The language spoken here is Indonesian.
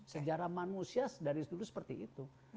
sejarah manusia dari dulu seperti itu